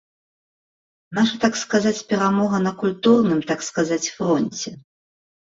Наша, так сказаць, перамога на культурным, так сказаць, фронце.